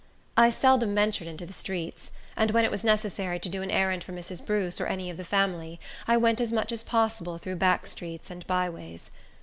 I seldom ventured into the streets; and when it was necessary to do an errand for Mrs. Bruce, or any of the family, I went as much as possible through back streets and by ways.